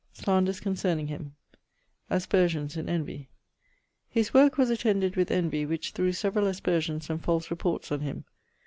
<_Slanders concerning him._> Aspersions and envy. His work was attended with envy, which threw severall aspersions and false reports on him.